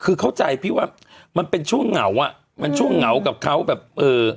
คือเข้าใจพี่ว่ามันเป็นช่วงเหงาอ่ะมันช่วงเหงากับเขาแบบเอ่อ